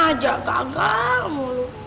sama aja gagal mulu